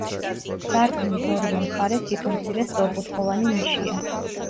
სარკმლის ორივე მხარეს თითო მცირე სწორკუთხოვანი ნიშია.